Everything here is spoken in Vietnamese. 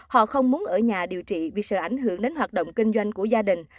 họ không muốn ở nhà điều trị vì sợ ảnh hưởng đến hoạt động kinh doanh của gia đình